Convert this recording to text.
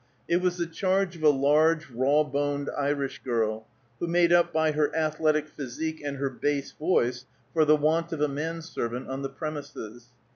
It was the charge of a large, raw boned Irish girl, who made up by her athletic physique and her bass voice for the want of a man servant on the premises.